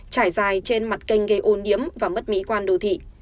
trải dài trên mặt kênh gây ô nhiễm và mất mỹ quan đô thị